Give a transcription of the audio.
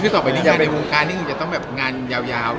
คือต่อไปที่จะไปวงการนี้จะต้องแบบงานยาว